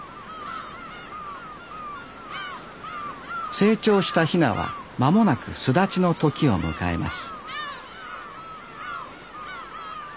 成長したヒナは間もなく巣立ちの時を迎えます